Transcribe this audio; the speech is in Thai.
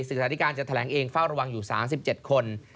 ศึกษาธิการจะแถลงเองเฝ้าระวังอยู่๓๗คน